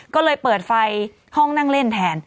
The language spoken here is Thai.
ก็เลยเปิดไฟห้องนั่งเล่นแทน